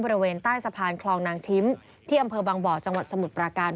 บริเวณใต้สะพานคลองนางทิ้มที่อำเภอบางบ่อจังหวัดสมุทรปราการ